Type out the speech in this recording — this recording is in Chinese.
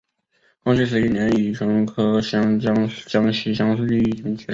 光绪十一年乙酉科江西乡试第一名举人。